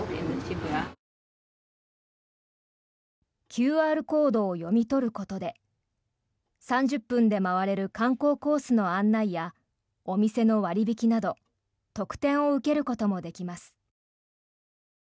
ＱＲコードを読み取ることで３０分で回れる観光コースの案内やお店の割引など特典を受けることもできます。